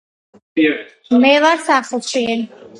მე ვარ სახლში.